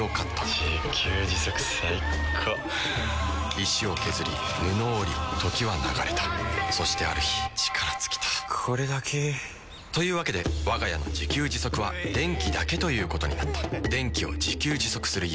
石を削り布を織り時は流れたそしてある日力尽きたこれだけ。というわけでわが家の自給自足は電気だけということになった電気を自給自足する家。